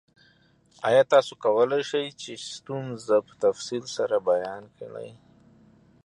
ایا تاسو کولی شئ ستونزه په تفصیل سره بیان کړئ؟